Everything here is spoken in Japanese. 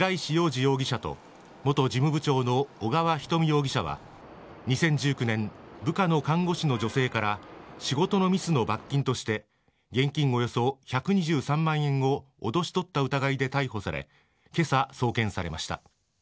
容疑者と元事務部長の小河ひとみ容疑者は２０１９年部下の看護師の女性から仕事のミスの罰金として現金およそ１２３万円をおどし取った疑いで逮捕され今朝、送検されました。